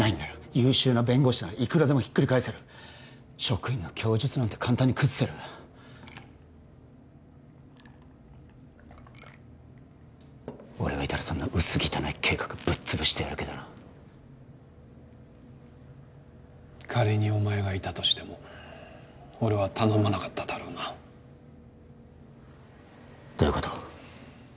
優秀な弁護士ならいくらでもひっくり返せる職員の供述なんて簡単に崩せる俺がいたらそんな薄汚い計画ぶっ潰してやるけどな仮にお前がいたとしても俺は頼まなかっただろうなどういうこと？